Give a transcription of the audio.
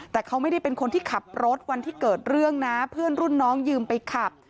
แต่เขาไม่ได้เป็นคนที่ขับรถวันที่เกิดเรื่องนะเพื่อนรุ่นน้องยืมไปขับ